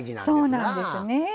そうなんですよね。